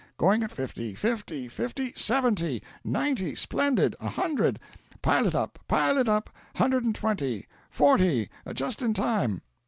going at fifty, fifty, fifty! seventy! ninety! splendid! a hundred! pile it up, pile it up! hundred and twenty forty! just in time!